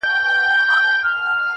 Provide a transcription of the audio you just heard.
څوك مي دي په زړه باندي لاس نه وهي~